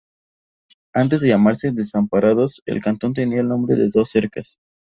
Antes de llamarse Desamparados, el cantón tenía el nombre de "Dos Cercas".